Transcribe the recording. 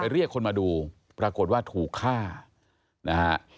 เรียกคนมาดูปรากฏว่าถูกฆ่านะฮะ